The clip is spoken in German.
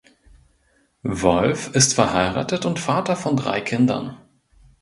Wolff ist verheiratet und Vater von drei Kindern.